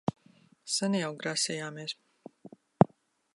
Sen jau grasījāmies...